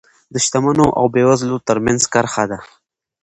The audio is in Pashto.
د شتمنو او بېوزلو ترمنځ کرښه ده.